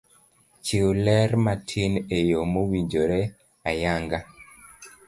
Chiw ler matin eyo mawinjore ayanga